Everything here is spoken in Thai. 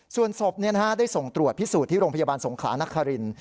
ส่วนศพได้ส่งตรวจพิสูจน์ที่โรงพยาบาลสงขลานคริน